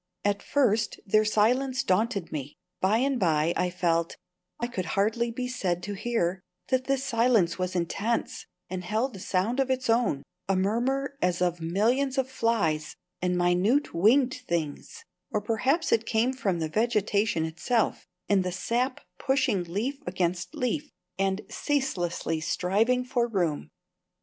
At first their silence daunted me; by and by I felt (I could hardly be said to hear) that this silence was intense, and held a sound of its own, a murmur as of millions of flies and minute winged things or perhaps it came from the vegetation itself, and the sap pushing leaf against leaf and ceaselessly striving for room.